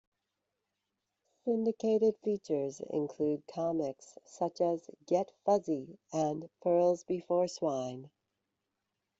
Syndicated features include comics, such as "Get Fuzzy" and "Pearls Before Swine".